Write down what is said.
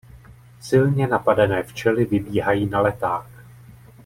Silně napadené včely vybíhají na leták.